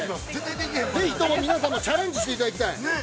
ぜひとも皆さんもチャレンジしていただきたい。